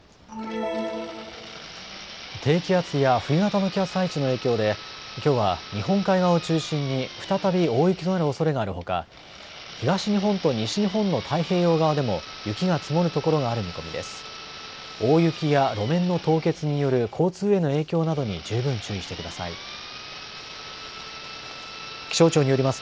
低気圧や冬型の気圧配置の影響できょうは日本海側を中心に再び大雪となるおそれがあるほか東日本と西日本の太平洋側でも雪が積もるところがある見込みです。